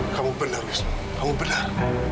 kamu benar kamu benar